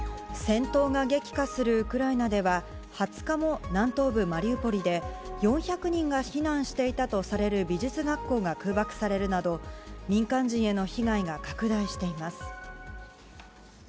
戦闘が激化するウクライナでは２０日も南東部マリウポリで４００人が避難していたとされる美術学校が空爆されるなど民間人への被害が拡大しています。